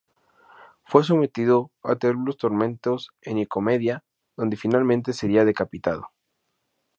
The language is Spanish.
Fue sometido a terribles tormentos en Nicomedia, donde finalmente seria decapitado.